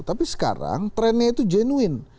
tapi sekarang trendnya itu genuin